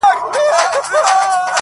دادی حالاتو سره جنگ کوم لگيا يمه زه.